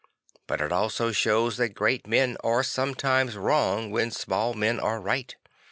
But it also shows that great men are sometimes wrong when small men are right.